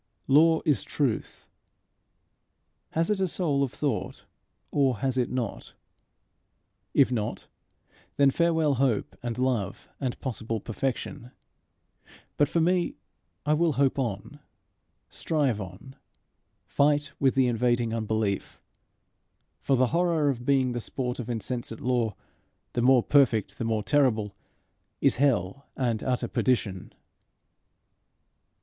Law is truth: has it a soul of thought, or has it not? If not, then farewell hope and love and possible perfection. But for me, I will hope on, strive on, fight with the invading unbelief; for the horror of being the sport of insensate law, the more perfect the more terrible, is hell and utter perdition.